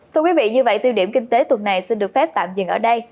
thưa quý vị như vậy tiêu điểm kinh tế tuần này xin được phép tạm dừng ở đây